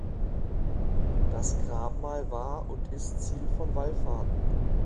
Das Grabmal war und ist Ziel von Wallfahrten.